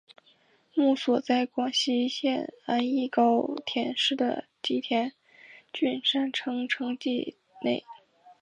墓所在广岛县安艺高田市的吉田郡山城城迹内。